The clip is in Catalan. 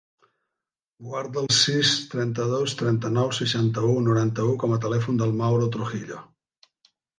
Guarda el sis, trenta-dos, trenta-nou, seixanta-u, noranta-u com a telèfon del Mauro Trujillo.